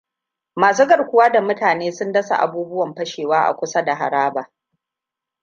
Masu garkuwa da mutane sun dasa abubuwan fashewa a kusa da haraba.